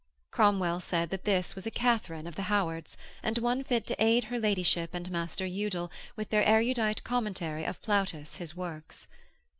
Cromwell said that this was a Katharine of the Howards, and one fit to aid her Ladyship and Magister Udal with their erudite commentary of Plautus his works.